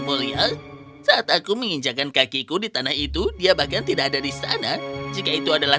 mulia saat aku menginjakan kakiku di tanah itu dia bahkan tidak ada di sana jika itu adalah